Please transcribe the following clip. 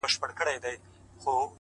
پوهه د ذهن افق روښانوي,